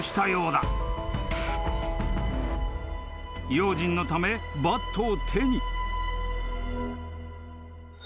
［用心のためバットを手に］